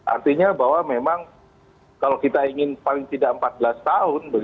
artinya bahwa memang kalau kita ingin paling tidak empat belas tahun